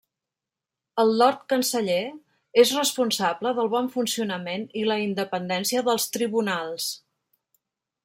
El Lord canceller és responsable del bon funcionament i la independència dels tribunals.